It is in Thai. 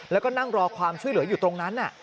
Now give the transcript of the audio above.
แล้วก็นั่งรอความช่วยเหลืออยู่ตรงนั้น